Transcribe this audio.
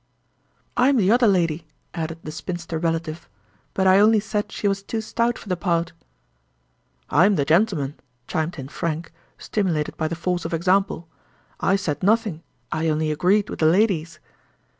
"I am the other lady," added the spinster relative. "But I only said she was too stout for the part." "I am the gentleman," chimed in Frank, stimulated by the force of example. "I said nothing—I only agreed with the ladies."